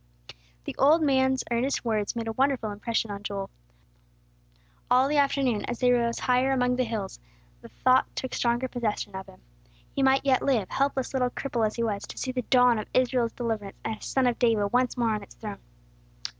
The old man's earnest words made a wonderful impression on Joel. All the afternoon, as they rose higher among the hills, the thought took stronger possession of him. He might yet live, helpless little cripple as he was, to see the dawn of Israel's deliverance, and a son of David once more on its throne.